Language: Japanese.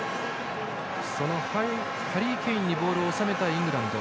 そのハリー・ケインにボールを収めたいイングランド。